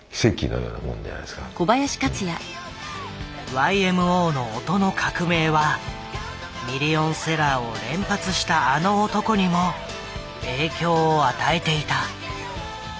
ＹＭＯの音の革命はミリオンセラーを連発したあの男にも影響を与えていた。